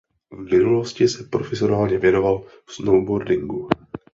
V minulosti se profesionálně věnoval snowboardingu.